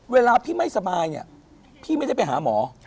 เวลาพี่ไม่สบายเนี่ยพี่ไม่ได้ไปหาหมอ